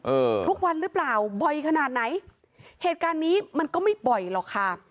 ทุกวันหรือเปล่าบ่อยขนาดไหนเหตุการณ์นี้มันก็ไม่บ่อยหรอกค่ะ